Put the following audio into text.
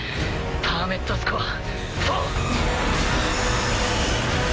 パーメットスコア４。